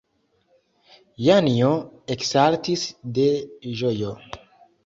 Janjo eksaltis de ĝojo.